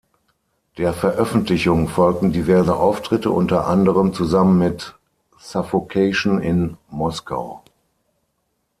Der Veröffentlichung folgten diverse Auftritte, unter anderem zusammen mit Suffocation in Moskau.